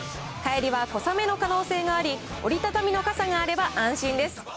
帰りは小雨の可能性があり、折り畳みの傘があれば安心です。